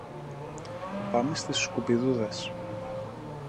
Πάμε στις σκουπιδούδες